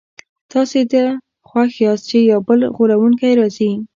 تاسي دې ته خوښ یاست چي یو بل غولونکی راځي.